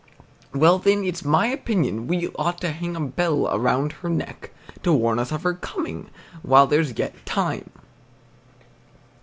Well, then, it's my opinion we ought to hang a bell round her neck to warn us of her coming while there's yet time."